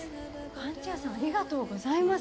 貫地谷さんありがとうございます。